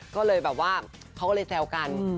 ก็เลยแบบว่าเขาก็เลยแซวกัน